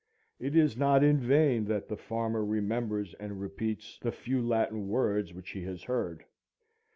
It is not in vain that the farmer remembers and repeats the few Latin words which he has heard.